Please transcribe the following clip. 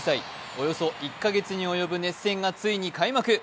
およそ１か月に及ぶ熱戦がついに開幕。